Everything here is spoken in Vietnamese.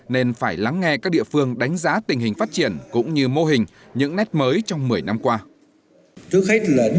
nên phải lắng nghe các địa phương đánh giá tình hình phát triển cũng như mô hình những nét mới trong một mươi năm qua